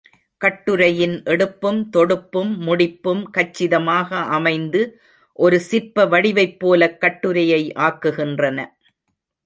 கட்டுரையின் எடுப்பும் தொடுப்பும் முடிப்பும் கச்சிதமாக அமைந்து ஒரு சிற்ப வடிவைப்போலக் கட்டுரையை ஆக்குகின்றன.